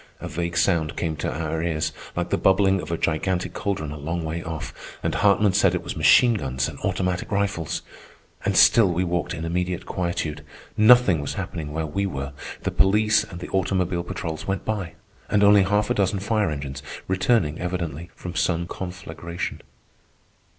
A vague sound came to our ears, like the bubbling of a gigantic caldron a long way off, and Hartman said it was machine guns and automatic rifles. And still we walked in immediate quietude. Nothing was happening where we were. The police and the automobile patrols went by, and once half a dozen fire engines, returning evidently from some conflagration.